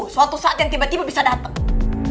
suatu saat yang tiba tiba bisa datang